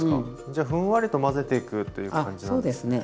じゃあふんわりと混ぜていくという感じなんですね。